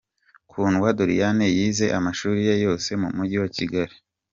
Kundwa Doriane yize amashuri ye yose mu Mujyi wa Kigali.